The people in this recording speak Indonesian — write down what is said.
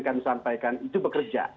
dan disampaikan itu bekerja